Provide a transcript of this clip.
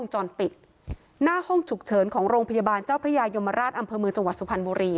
จรปิดหน้าห้องฉุกเฉินของโรงพยาบาลเจ้าพระยายมราชอำเภอเมืองจังหวัดสุพรรณบุรี